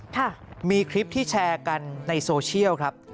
ค่ะมีคลิปที่แชร์กันในโซเชียลครับ